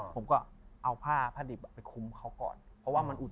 ผ้าผ้าผลิตไปคุมเขาก่อน